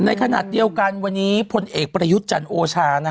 ในขณะเดียวกันวันนี้พลเอกประยุทธ์จันทร์โอชา